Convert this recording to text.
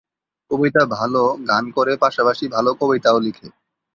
কবিতা ভালো গান করে পাশাপাশি ভালো কবিতাও লিখে।